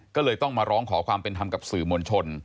ก็เลยต้องมาร้องขอความเป็นธรรมกับสื่อมวลชน